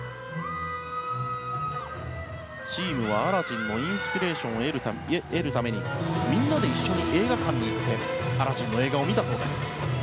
チームは「アラジン」のインスピレーションを得るためにみんなで一緒に映画館に行って「アラジン」の映画を見たそうです。